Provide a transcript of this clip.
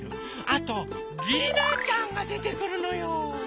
あとりなちゃんがでてくるのよ！